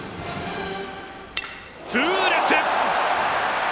痛烈！